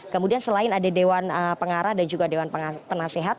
kemudian selain ada dewan pengarah dan juga dewan penasehat